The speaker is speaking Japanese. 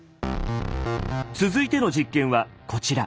続いての実験はこちら。